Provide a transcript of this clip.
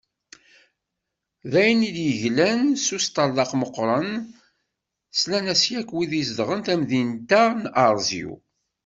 D ayen i d-yeglan s usṭerḍeq meqqren, slan-as-d yakk wid i izedɣen tamdint-a n Arezyu.